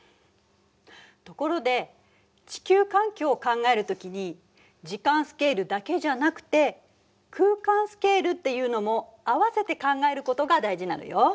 ところで地球環境を考える時に時間スケールだけじゃなくて空間スケールっていうのも合わせて考えることが大事なのよ。